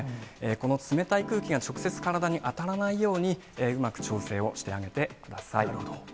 この冷たい空気が直接体に当たらないように、うまく調整をしてあなるほど。